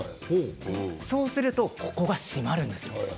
そうすると靴が締まるんです。